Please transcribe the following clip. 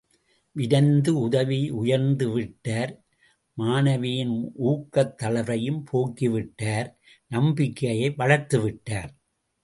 விரைந்து உதவி, உயர்ந்து விட்டார் மாணவியின் ஊக்கத் தளர்வையும் போக்கி விட்டார் நம்பிக்கையை வளர்த்துவிட்டார்.